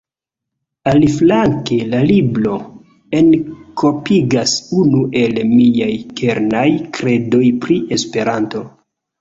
Aliflanke, la libro enkorpigas unu el miaj kernaj kredoj pri Esperanto.